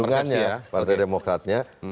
pesendungannya partai demokratnya